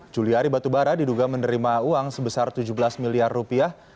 juliari batubara diduga menerima uang sebesar tujuh belas miliar rupiah